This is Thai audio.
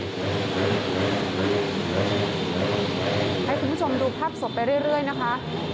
ให้คุณผู้ชมดูภาพศพไปเรื่อยนะคะ